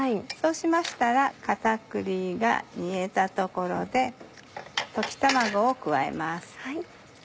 そうしましたら片栗が煮えたところで溶き卵を加えます。